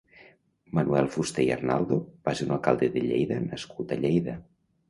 Manuel Fuster i Arnaldo va ser un alcalde de Lleida nascut a Lleida.